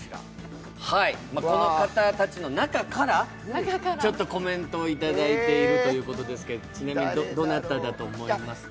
この方たちの中からコメントをいただいているということですけれども、ちなみにどなただと思いますか？